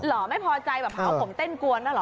หรอไม่พอใจแบบเอาผมเต้นกวนแล้วหรอ